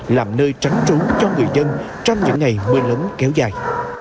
làm nơi tránh trúng cho người dân trong những ngày mưa lấm kéo dài